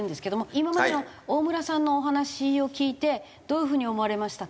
今までの大村さんのお話を聞いてどういう風に思われましたか？